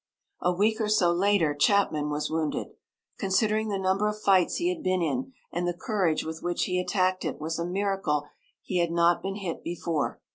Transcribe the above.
A week or so later Chapman was wounded. Considering the number of fights he had been in and the courage with which he attacked it was a miracle he had not been hit before.